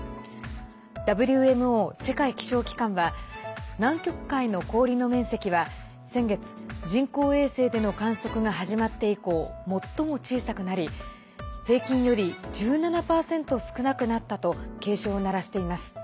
ＷＭＯ＝世界気象機関は南極海の氷の面積は先月人工衛星での観測が始まって以降最も小さくなり平均より１７％少なくなったと警鐘を鳴らしています。